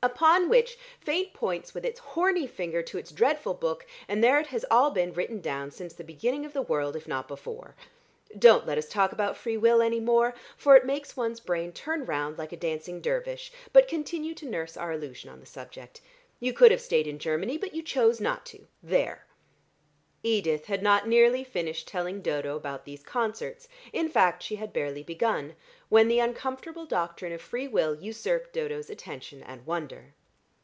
Upon which Fate points with its horny finger to its dreadful book, and there it has all been written down since the beginning of the world if not before. Don't let us talk about free will any more, for it makes one's brain turn round like a Dancing Dervish, but continue to nurse our illusion on the subject. You could have stayed in Germany, but you chose not to. There!" Edith had not nearly finished telling Dodo about these concerts, in fact, she had barely begun, when the uncomfortable doctrine of free will usurped Dodo's attention and wonder.